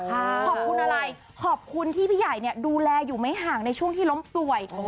ขอบคุณอะไรขอบคุณที่พี่ใหญ่เนี่ยดูแลอยู่ไม่ห่างในช่วงที่ล้มป่วย